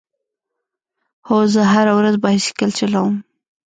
هو، زه هره ورځ بایسکل چلوم